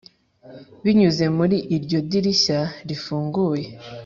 binyuze muri iryo dirishya rifunguye.